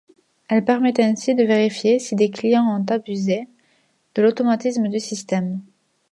Elle permet ainsi de vérifier si des clients ont abusé de l'automatisme du système.